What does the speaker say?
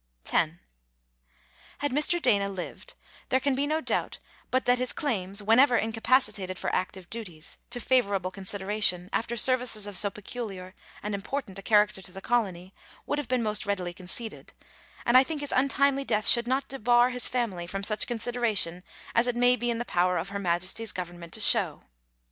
10. Had Mr. Dana lived, there can be no doubt but that his claims, whenever incapacitated for active duties, to favourable consideration, after services of so peculiar and important a character to the colony, would have been most readily conceded, and I think his untimely death should not debar his family from such consideration as it may be in the power of Her Majesty's Government to show.